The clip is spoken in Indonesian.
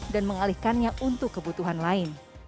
dan mengalihkannya untuk kebutuhan lain